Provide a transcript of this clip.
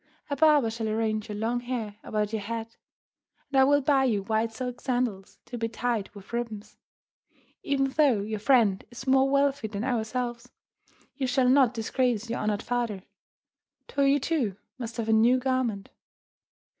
A barber shall arrange your long hair about your head; and I will buy you white silk sandals to be tied with ribbons. Even though your friend is more wealthy than ourselves, you shall not disgrace your honoured father. Toyo, too, must have a new garment."